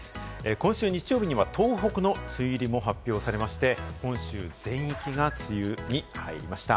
今週日曜日には東北の梅雨入りも発表されまして、本州全域が梅雨に入りました。